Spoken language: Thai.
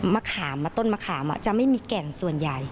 มะขามต้นมะขามจะไม่มีแก่นส่วนใหญ่